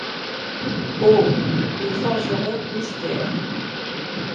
Oh ! le forgeron Mystère